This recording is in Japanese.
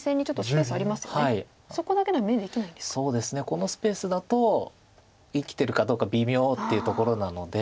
このスペースだと生きてるかどうか微妙っていうところなので。